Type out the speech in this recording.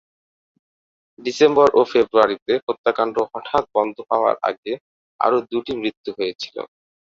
December ও ফেব্রুয়ারিতে হত্যাকাণ্ড হঠাৎ বন্ধ হওয়ার আগে আরও দুটি মৃত্যু হয়েছিল।